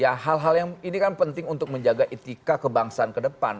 ya hal hal yang ini kan penting untuk menjaga etika kebangsaan ke depan